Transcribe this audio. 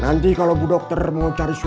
nanti kalau bu dokter mau cari solusi